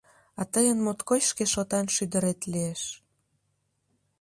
А тыйын моткоч шке шотан шӱдырет лиеш…